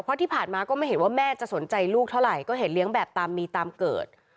เพราะที่ผ่านมาก็ไม่เห็นว่าแม่จะสนใจลูกเท่าไหร่ก็เห็นเลี้ยงแบบตามมีตามเกิด